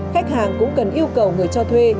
khách hàng cũng cần yêu cầu người cho thuê